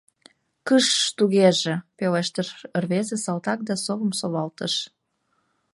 Кыш-ш тугеже! — пелештыш рвезе салтак да совым совалтыш.